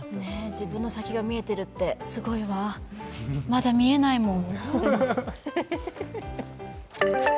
自分の先が見えてるってすごいわ、まだ見えないもん。